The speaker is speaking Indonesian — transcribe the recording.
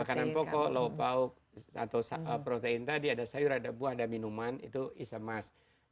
makanan pokok low power atau protein tadi ada sayur ada buah ada minuman itu is a must